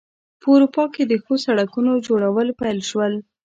په اروپا کې د ښو سړکونو جوړول پیل شول.